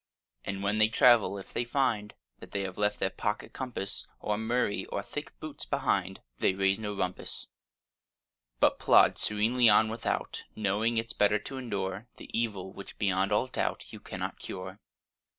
And when they travel, if they find That they have left their pocket compass Or Murray or thick boots behind, They raise no rumpus, But plod serenely on without: Knowing it's better to endure The evil which beyond all doubt You cannot cure.